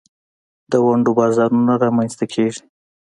د ونډو بازارونه رامینځ ته کیږي.